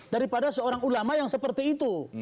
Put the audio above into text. daripada seorang ulama yang seperti itu